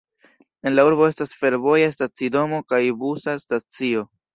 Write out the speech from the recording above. En la urbo estas fervoja stacidomo kaj busa stacio.